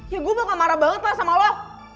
ya gue bakal marah banget lah sama lo